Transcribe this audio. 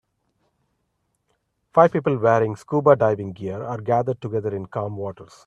Five people wearing scuba diving gear are gathered together in calm waters.